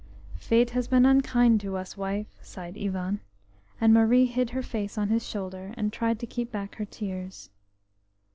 "Fate has been unkind to us, wife," sighed Ivan; and Marie hid her face on his shoulder, and tried to keep back her tears.